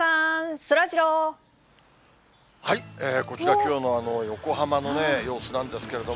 きょうの横浜の様子なんですけれども。